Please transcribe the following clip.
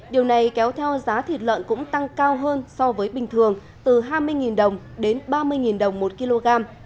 điều này kéo theo giá thịt lợn cũng tăng cao hơn so với bình thường từ hai mươi đồng đến ba mươi đồng một kg